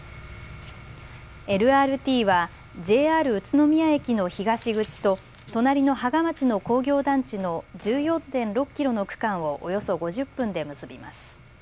ＬＲＴはＪＲ宇都宮駅の東口と隣の芳賀町の工業団地の１４．６キロの区間をおよそ５０分で結びます。